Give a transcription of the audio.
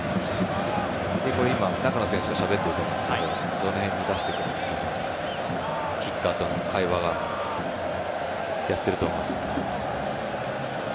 今、中の選手としゃべっていると思うんですけどどの辺に出してくる？っていうキッカーとの会話をやっていると思いますね。